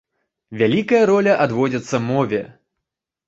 Вялікая роля адводзіцца мове.